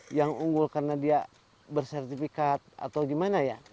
yang unggul karena dia bersertifikat atau gimana ya